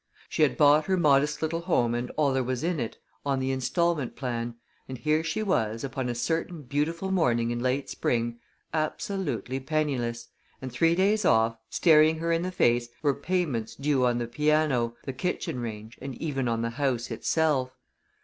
She had bought her modest little home and all there was in it on the instalment plan, and here she was, upon a certain beautiful morning in late spring, absolutely penniless, and three days off, staring her in the face, were payments due on the piano, the kitchen range and even on the house itself.